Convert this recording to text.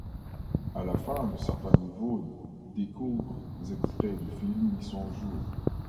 À la fin de certains niveaux des courts extraits du film y sont joués.